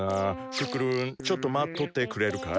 クックルンちょっと待っとってくれるかい？